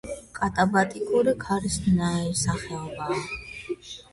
კატაბატიკური ქარის ნაირსახეობაა.